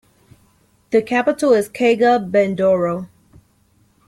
The capital is Kaga Bandoro.